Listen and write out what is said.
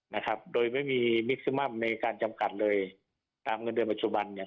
นะครับโดยไม่มีมิกซึมัมในการจำกัดเลยตามเงินเดือนปัจจุบันเนี่ย